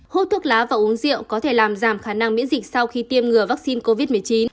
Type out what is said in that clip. hút thuốc lá và uống rượu có thể làm giảm khả năng miễn dịch sau khi tiêm ngừa vaccine covid một mươi chín